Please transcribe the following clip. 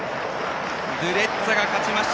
ドゥレッツァが勝ちました。